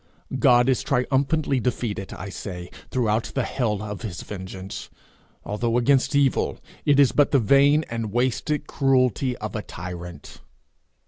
God is triumphantly defeated, I say, throughout the hell of his vengeance. Although against evil, it is but the vain and wasted cruelty of a tyrant.